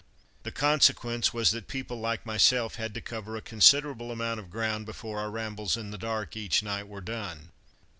The consequence was that people like myself had to cover a considerable amount of ground before our rambles in the dark each night were done.